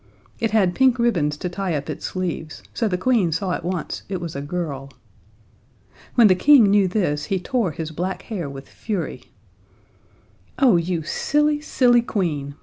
It had pink ribbons to tie up its sleeves, so the Queen saw at once it was a girl. When the King knew this he tore his black hair with fury. "Oh, you silly, silly Queen!"